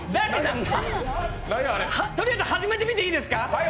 とりあえず始めてみていいですか？